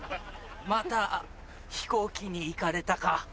また飛行機にいかれたか。